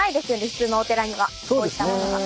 普通のお寺にはこういったものが。